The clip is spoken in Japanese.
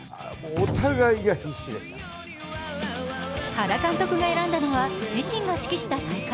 原監督が選んだのは自身が指揮した大会。